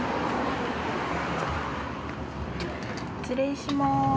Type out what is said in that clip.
失礼します。